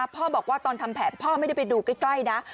พ่อบอกว่าตอนทำแผนพ่อไม่ได้ไปดูใกล้นะ